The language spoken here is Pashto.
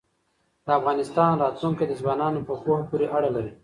د افغانستان راتلونکی د ځوانانو په پوهه پورې اړه لري.